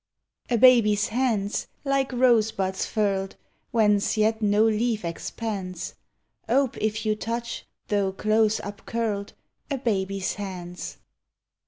A baby's hands, like rosebuds furled, Whence yet no leaf expands, Ope if you touch, though close upcurled, A baby's hands.